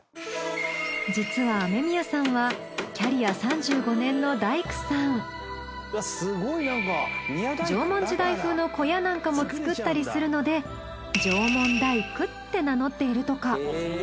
実は雨宮さんは縄文時代風の小屋なんかも作ったりするので縄文大工って名乗っているとか。